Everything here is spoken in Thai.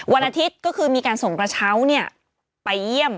วันอาทิตย์ก็คือมีการส่งกระเช้าไปเยี่ยม